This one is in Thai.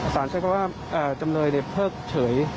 สารใช้ความจำเลยได้เพิ่งเฉย